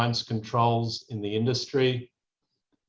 yang terakhir adalah husband untuk secaraivasi